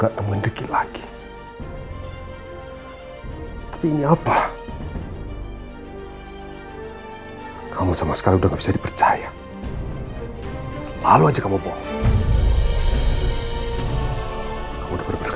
bertemu dengan ricky lagi tapi ini apa kamu sama sekali udah bisa dipercaya selalu aja kamu bohong